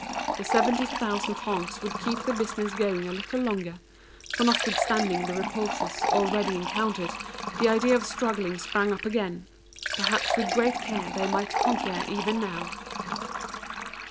The seventy thousand francs would keep the business going a little longer; for notwithstanding the repulses already encountered, the idea of struggling sprang up again; perhaps with great care they might conquer even now.